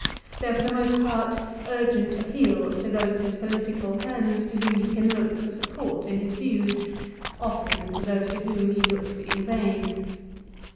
They are for the most part urgent appeals to those of his political friends to whom he can look for support in his 1 Philippics, vi. 1. THE PHILIPPICS. 251 views, often to those to whom he looked in vain.